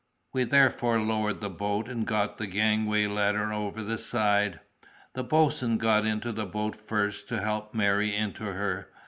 We therefore lowered the boat and got the gangway ladder over the side. The boatswain got into the boat first to help Mary into her.